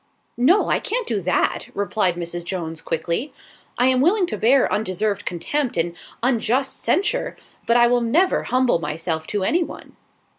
"No, I can't do that," replied Mrs. Jones, quickly. "I am willing to bear undeserved contempt and unjust censure, but I will never humble myself to any one."